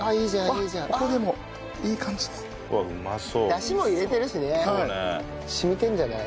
ダシも入れてるしね染みてるんじゃない？